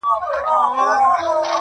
د دوزخي حُسن چيرمني جنتي دي کړم